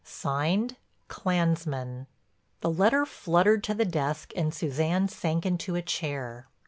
"(Signed) Clansmen." The letter fluttered to the desk and Suzanne sank into a chair.